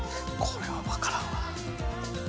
これは分からんわ。